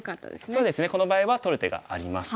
そうですねこの場合は取る手があります。